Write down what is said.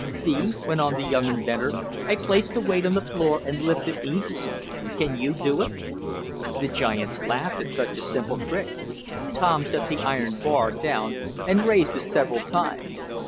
"See," went on the young inventor. "I place the weight on the floor, and lift it easily. Can you do it?" The giants laughed at such a simple trick. Tom set the iron bar down and raised it several times.